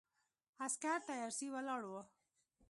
عسکر تیارسي ولاړ ول.